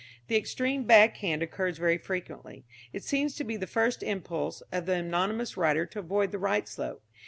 The extreme back hand occurs very frequently. It seems to be the first impulse of the anonymous writer to avoid the right slope.